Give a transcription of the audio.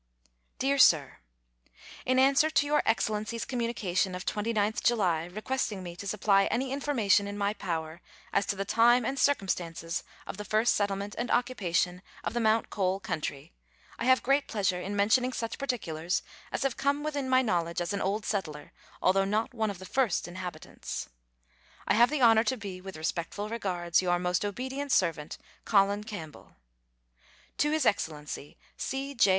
4:4:. DEAR SIR, In answer to Your Excellency's communication of 29th July, requesting me to supply any information in my power as to the time and circumstances of the first settlement and occupation of the Mount Cole country, I have great pleasure in mentioning such particulars as have come within my knowledge as an old settler, although not one of the first inhabitants. I have the honour to be, with respectful regards, Your most obedient servant, COLIN CAMPBELL. To His Excellency C. J.